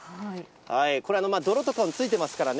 これ、泥とかもついてますからね。